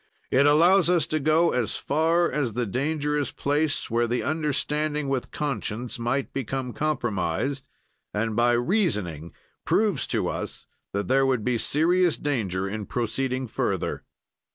"It allows us to go as far as the dangerous place where the understanding with conscience might become compromised and, by reasoning, proves to us that there would be serious danger in proceeding further.